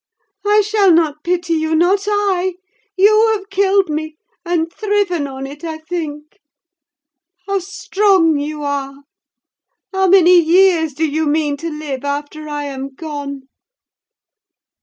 I shall not pity you, not I. You have killed me—and thriven on it, I think. How strong you are! How many years do you mean to live after I am gone?"